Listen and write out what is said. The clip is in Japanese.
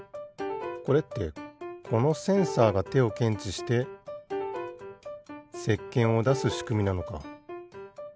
これってこのセンサーがてをけんちしてせっけんをだすしくみなのか。